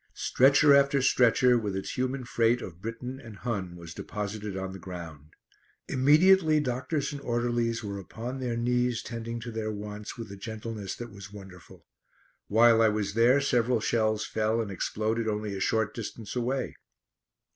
Stretcher after stretcher with its human freight of Briton and Hun was deposited on the ground. Immediately doctors and orderlies were upon their knees tending to their wants with a gentleness that was wonderful. While I was there several shells fell and exploded only a short distance away.